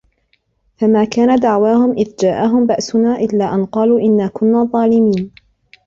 فَمَا كَانَ دَعْوَاهُمْ إِذْ جَاءَهُمْ بَأْسُنَا إِلَّا أَنْ قَالُوا إِنَّا كُنَّا ظَالِمِينَ